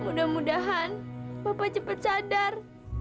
mudah mudahan bapak cepat sadar